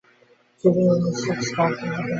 Six গা ঢাকা দেওয়ার প্রশিক্ষণ পেয়েছে।